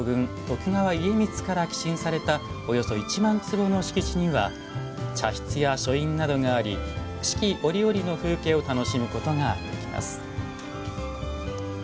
徳川家光から寄進されたおよそ１万坪の敷地には茶室や書院などがあり四季折々の風景を楽しむことができます。